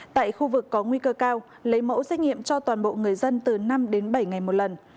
tại khu vực có nguy cơ cao lấy mẫu xét nghiệm cho toàn bộ người dân từ năm đến bảy ngày một lần